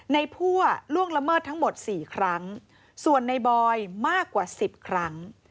พั่วล่วงละเมิดทั้งหมด๔ครั้งส่วนในบอยมากกว่า๑๐ครั้ง